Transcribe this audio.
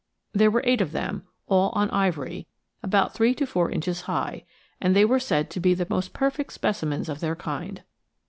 There were eight of them, all on ivory, about three to four inches high, and they were said to be the most perfect specimens of their kind.